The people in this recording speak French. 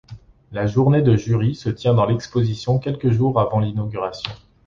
La journée de jury se tient dans l’exposition quelques jours avant l’inauguration.